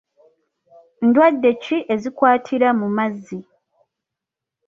Ndwadde ki ezikwatira mu mazzi?